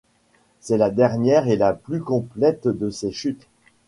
C’est la dernière et la plus complète de ses chutes.